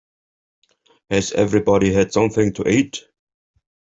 Has everybody had something to eat?